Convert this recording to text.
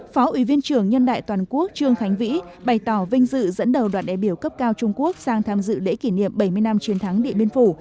phó ủy viên trưởng nhân đại toàn quốc trương khánh vĩ bày tỏ vinh dự dẫn đầu đoàn đại biểu cấp cao trung quốc sang tham dự lễ kỷ niệm bảy mươi năm chiến thắng điện biên phủ